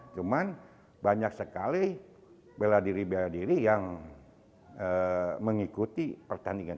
cuman banyak sekali bela diri bela diri yang mengikuti pertandingan